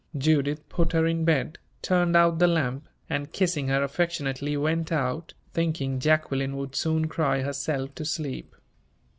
Judith put her in bed, turned out the lamp, and kissing her affectionately went out, thinking Jacqueline would soon cry herself to sleep.